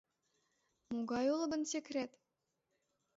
Могай уло гын секрет?»